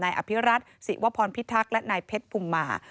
อภิรัตศิวพรพิทักษ์และนายเพชรภูมิมา